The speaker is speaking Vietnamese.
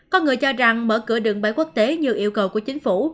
con người cho rằng mở cửa đường bay quốc tế như yêu cầu của chính phủ